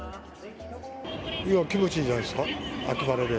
いや、気持ちいいじゃないですか、秋晴れで。